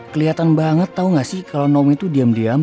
keliatan banget tau gak sih kalo nomi tuh diam diam